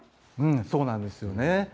そうなんですよね。